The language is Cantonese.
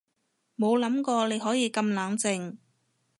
冇諗過你可以咁冷靜